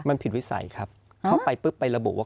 มันผิดวิสัยครับเข้าไปปุ๊บไประบุว่า